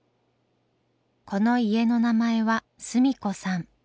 この家の名前はスミコさん。